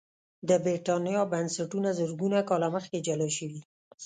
د برېټانیا بنسټونه زرګونه کاله مخکې جلا شوي